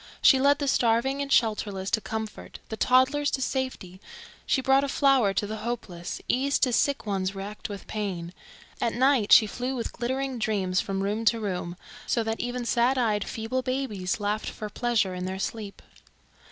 She led the starving and shelterless to comfort, the toddlers to safety; she brought a flower to the hopeless, ease to sick ones racked with pain; at night she flew with glittering dreams from room to room, so that even sad eyed feeble babies laughed for pleasure in their sleep.